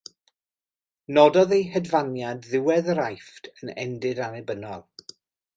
Nododd ei hedfaniad ddiwedd yr Aifft yn endid annibynnol.